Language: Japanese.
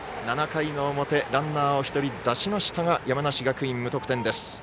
７回の表ランナーを１人出しましたが山梨学院、無得点です。